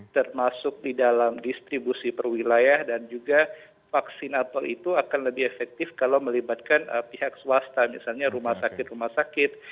termasuk di dalam distribusi perwilayah dan juga vaksinator itu akan lebih efektif kalau melibatkan pihak swasta misalnya rumah sakit rumah sakit